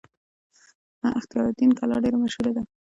اختیار الدین کلا ډیره مشهوره ده